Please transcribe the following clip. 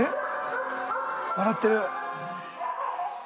笑ってる。